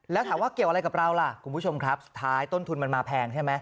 แล้วถามว่าเกี่ยวอะไรกับเราล่ะคุณผู้ชมครับสุดท้ายต้นทุนมันมาแพงใช่ไหม